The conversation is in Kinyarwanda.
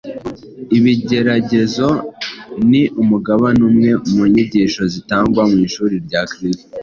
Ibigeragezo ni umugabane umwe mu nyigisho zitangwa mu ishuri rya kristo